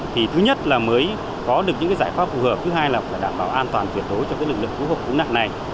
thì thứ nhất là mới có được những giải pháp phù hợp thứ hai là phải đảm bảo an toàn tuyệt đối cho lực lượng cứu hộ cứu nạn này